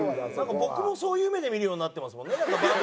僕もそういう目で見るようになってますもんね。